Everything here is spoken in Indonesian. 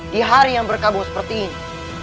di hari yang berkabung seperti ini